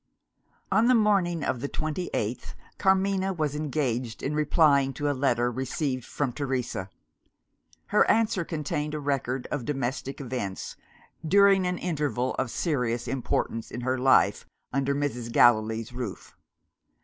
On the morning of the twenty eighth, Carmina was engaged in replying to a letter received from Teresa. Her answer contained a record of domestic events, during an interval of serious importance in her life under Mrs. Gallilee's roof.